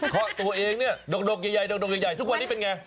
เคาะตัวเองเนี่ยดกใหญ่ทุกวันนี้เป็นไง